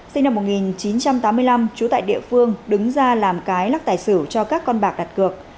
sinh năm một nghìn chín trăm tám mươi năm trú tại địa phương đứng ra làm cái lắc tài xỉu cho các con bạc đặt cược